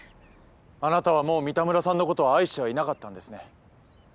あなたはもう三田村さんのことを愛してはいなかったんですね。